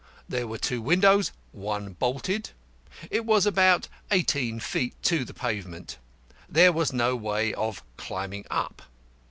There were two windows, one bolted. It was about eighteen feet to the pavement. There was no way of climbing up.